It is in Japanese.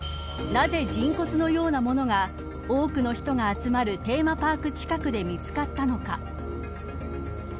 なぜ人骨のようなものが多くの人が集まるテーマパーク近くで見つかったのか。